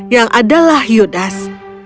yang adalah judas